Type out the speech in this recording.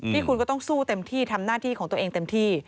ที่คุณก็ต้องสู้เต็มที่ทำหน้าที่ของตัวเองเต็มที่